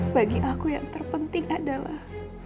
bagi aku yang terpenting adalah